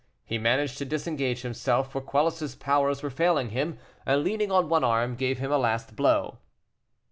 He managed to disengage himself, for Quelus' powers were failing him, and, leaning on one arm, gave him a last blow.